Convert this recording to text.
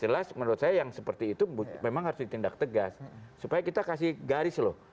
jelas menurut saya yang seperti itu memang harus ditindak tegas supaya kita kasih garis loh